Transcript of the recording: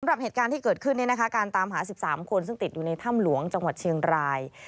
เหตุการณ์ที่เกิดขึ้นการตามหา๑๓คนซึ่งติดอยู่ในถ้ำหลวงจังหวัดเชียงราย